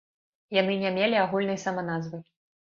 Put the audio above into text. Яны не мелі агульнай саманазвы.